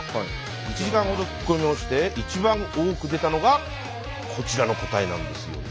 １時間ほど聞き込みをして一番多く出たのがこちらの答えなんですよね。